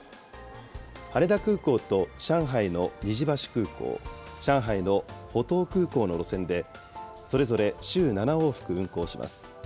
羽田空港と上海の虹橋空港、上海の浦東空港の路線で、それぞれ週７往復運航します。